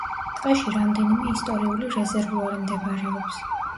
ტყეში რამდენიმე ისტორიული რეზერვუარი მდებარეობს.